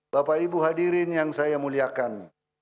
bapak ibu hadirin yang saya muliakan